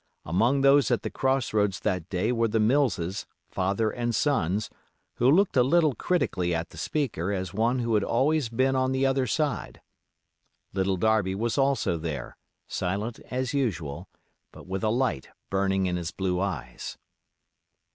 Among those at the Cross roads that day were the Millses, father and sons, who looked a little critically at the speaker as one who had always been on the other side. Little Darby was also there, silent as usual, but with a light burning in his blue eyes.